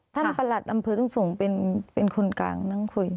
ประหลัดอำเภอทุ่งสงศ์เป็นคนกลางนั่งคุย